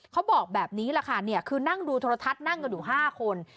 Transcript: เขาบอกแบบนี้แหละค่ะเนี่ยคือนั่งดูโทรทัศน์นั่งกันอยู่๕คน